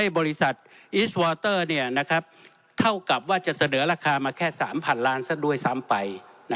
บริษัทอิสวอเตอร์เท่ากับว่าจะเสนอราคามาแค่๓๐๐๐ล้านซะด้วยซ้ำไป